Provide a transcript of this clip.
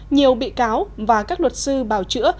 nhiều bị cáo và các luật sư bào chữa